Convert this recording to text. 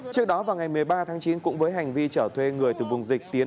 trước đó vào ngày một mươi ba tháng chín cũng với hành vi chở thuê người từ vùng dịch tiến